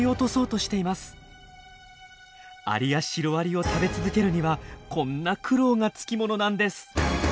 アリやシロアリを食べ続けるにはこんな苦労がつきものなんです。